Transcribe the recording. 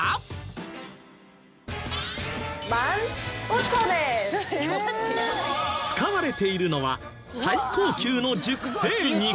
これ使われているのは最高級の熟成肉。